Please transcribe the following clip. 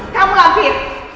kamu lah hampir